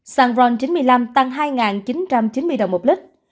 xăng ron chín mươi năm tăng hai chín trăm chín mươi đồng một lít